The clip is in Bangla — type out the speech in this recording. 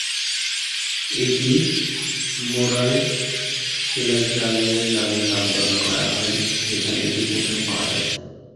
এটি মোরার কেলাস গ্রামের নামে নামকরণ করা হয়, যেখানে এটি প্রথম পাওয়া যায়।